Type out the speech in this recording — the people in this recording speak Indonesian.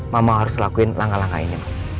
mama harus lakuin langkah langkah ini